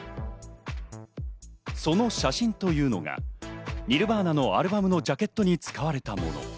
その写真というのがニルヴァーナのアルバムのジャケットに使われたもの。